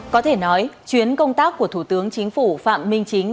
có thể nói chuyến công tác của thủ tướng chính phủ phạm minh chính